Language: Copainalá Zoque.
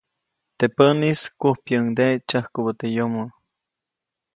Teʼ päʼnis, kujpyäʼuŋde tsyäjkubä teʼ yomoʼ.